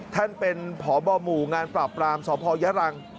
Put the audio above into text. ท่านเป็นพบหมู่งานปราบปรามสพยรัง